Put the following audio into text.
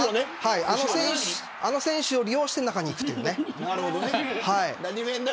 あの選手を利用して中にいくというね。